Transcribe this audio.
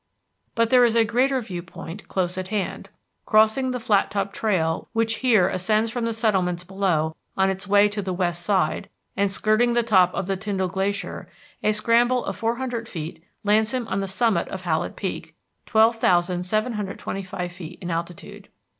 But there is a greater viewpoint close at hand. Crossing the Flattop Trail which here ascends from the settlements below on its way to the west side, and skirting the top of the Tyndall Glacier, a scramble of four hundred feet lands him on the summit of Hallett Peak, 12,725 feet in altitude.